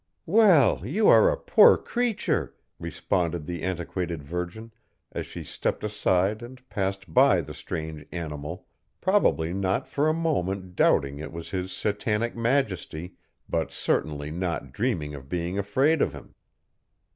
"Well, you are a poor creature!" responded the antiquated virgin, as she stepped aside and passed by the strange animal, probably not for a moment doubting it was his Satanic Majesty, but certainly not dreaming of being afraid of him.